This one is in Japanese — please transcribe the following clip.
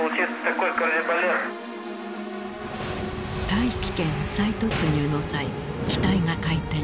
大気圏再突入の際機体が回転。